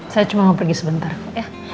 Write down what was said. saya cuma mau pergi sebentar kok ya